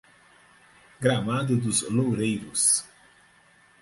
Gramado dos Loureiros